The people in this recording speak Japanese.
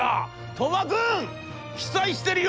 鳥羽君期待してるよ』。